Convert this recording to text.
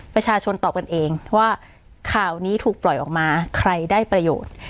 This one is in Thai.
ประชาชนตอบกันเองว่าข่าวนี้ถูกปล่อยออกมาใครได้ประโยชน์